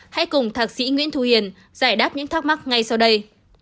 hãy cùng thạc sĩ nguyễn thu hiền giải đáp những thắc mắc ngay sau đây